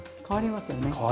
変わりますよね。